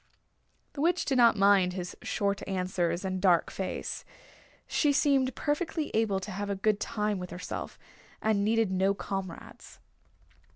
The Witch did not mind his short answers and dark face. She seemed perfectly able to have a good time with herself, and needed no comrades.